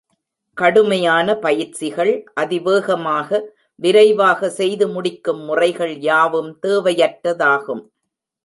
கடுமையான பயிற்சிகள், அதிவேகமாக, விரைவாக செய்துமுடிக்கும் முறைகள் யாவும் தேவையற்றதாகும்.